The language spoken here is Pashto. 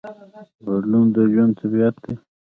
بدلون د ژوند طبیعت دی.